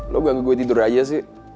lo gak ngegue tidur aja sih